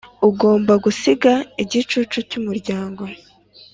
ugomba gusiga igicucu cyumuryango